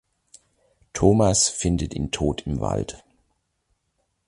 Thomas findet ihn tot im Wald.